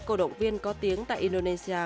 cầu động viên có tiếng tại indonesia